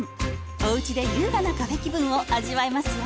おうちで優雅なカフェ気分を味わえますよ。